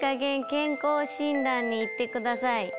健康診断に行ってください。